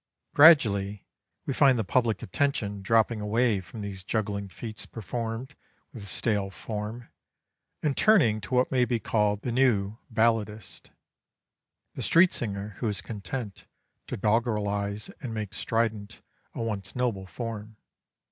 Gradually we find the public attention dropping away from these juggling feats performed with stale form, and turning to what may be called the new balladist the street singer who is content to doggerelize and make strident a once noble form.